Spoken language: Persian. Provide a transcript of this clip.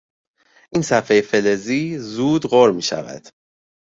این صفحهی فلزی زود غر میشود.